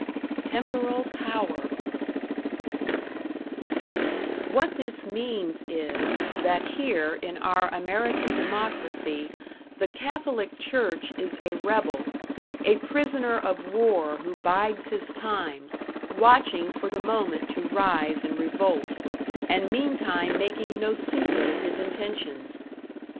#Temporal Power# What this means is, that here in our American democracy the Catholic Church is a rebel; a prisoner of war who bides his time, watching for the moment to rise in revolt, and meantime making no secret of his intentions.